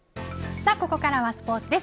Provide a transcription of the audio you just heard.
さあここからはスポーツです。